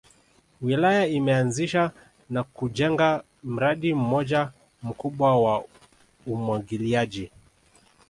Wilaya imeanzisha na kujenga mradi mmoja mkubwa wa umwagiliaji